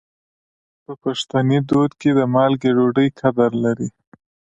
په پښتني دود کې د مالګې ډوډۍ قدر لري.